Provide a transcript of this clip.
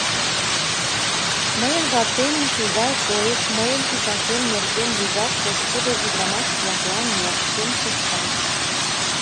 Мыйын ватемын тугай койыш: мыйын титакем нерген вигак пошкудо ӱдырамаш-влаклан «ляпкен» шукта.